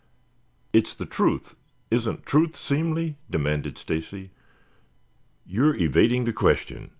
"It's the truth. Isn't truth seemly?" demanded Stacy. "You are evading the question."